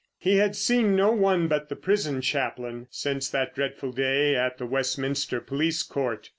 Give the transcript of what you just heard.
He had seen no one but the prison chaplain since that dreadful day at the Westminster Police Court.